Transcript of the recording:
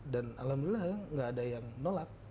dan alhamdulillah gak ada yang nolak